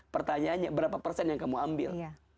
pertanyaannya berapa persen yang kamu ambil